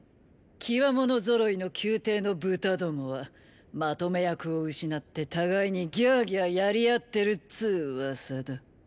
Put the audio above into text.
キワモノぞろいの宮廷のブタどもはまとめ役を失って互いにギャーギャーやりあってるっつー噂だ。